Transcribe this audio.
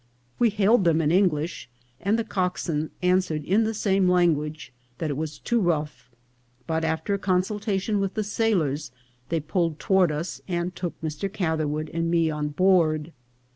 We hailed them in English, and the cockswain answered in the same language that it was too rough, but after a con sultation with the sailors they pulled toward us, and took Mr. Catherwood and me on board.